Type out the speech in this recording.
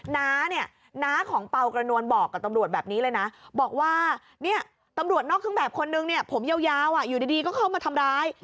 น้าเนี่ยน้าของเปล่ากระนวลบอกกับตำรวจแบบนี้เลยนะบอกว่าเนี่ยตำรวจนอกเครื่องแบบคนนึงเนี่ยผมยาวอยู่ดีก็เข้ามาทำร้าย